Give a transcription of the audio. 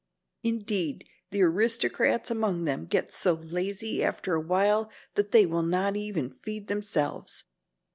Indeed, the aristocrats among them get so lazy after a while that they will not even feed themselves.